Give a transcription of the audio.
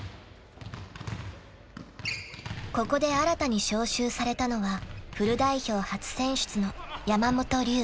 ［ここで新たに招集されたのはフル代表初選出の山本龍］